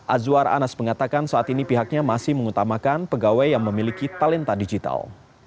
azwar anas mengatakan saat ini pihaknya masih mengutamakan pegawai yang memiliki talenta digital